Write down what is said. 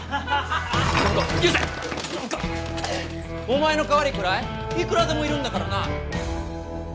お前の代わりくらいいくらでもいるんだからな！